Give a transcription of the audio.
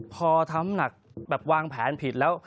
พอทำหนักแบบวางแผนผิดแล้ว